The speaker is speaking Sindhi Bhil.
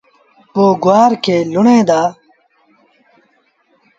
پو گُوآر کي لُڻيٚن دآ